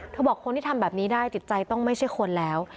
บอกคนที่ทำแบบนี้ได้จิตใจต้องไม่ใช่คนแล้ว